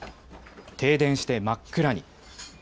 停電して真っ暗に。